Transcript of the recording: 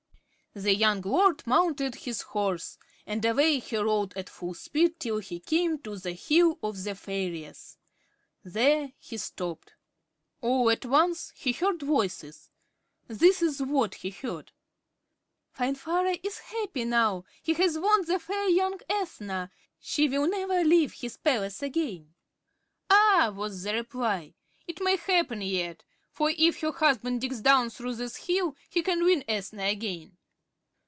The young lord mounted his horse, and away he rode at full speed till he came to the hill of the fairies. There he stopped. All at once he heard voices. This is what he heard: "Finvarra is happy now. He has won the fair young Ethna. She will never leave his palace again." "Ah!" was the reply, "it may happen yet. For if her husband digs down through this hill, he can win Ethna again."